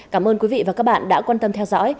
cảm ơn quý vị và các bạn đã quan tâm theo dõi